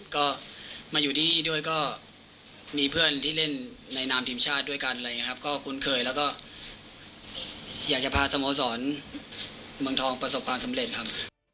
ก็มาอยู่ที่นี่ด้วยก็มีเพื่อนที่เล่นในนามทีมชาติด้วยกันอะไรอย่างนี้ครับก็คุ้นเคยแล้วก็อยากจะพาสโมสรเมืองทองประสบความสำเร็จครับ